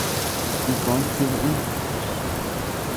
Iñkó chida iña.